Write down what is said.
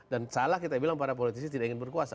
dan salah kita bilang para politisi tidak ingin berkuasa